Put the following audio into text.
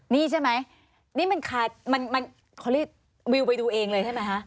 นี่ใช่ไหมนี่มันเขาเรียกวิวไปดูเองเลยใช่ไหมคะ